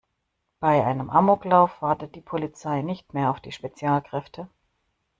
Bei einem Amoklauf wartet die Polizei nicht mehr auf die Spezialkräfte.